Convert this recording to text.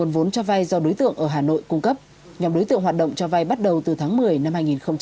vốn cho vay do đối tượng ở hà nội cung cấp nhóm đối tượng hoạt động cho vay bắt đầu từ tháng một mươi năm hai nghìn một mươi chín